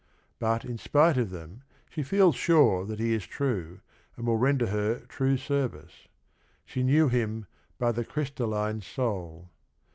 But in spite of them she feels sure that he is true and will render her true service. She knew him "by the crystalline soul."